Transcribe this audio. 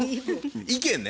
意見ね。